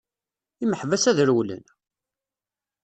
Imeḥbas ad rewwlen!